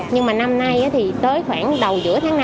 nhưng mà năm nay thì tới khoảng đầu giữa tháng năm